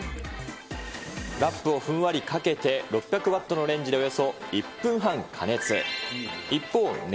ラップをふんわりかけて６００ワットのレンジでおよそ１分半加熱。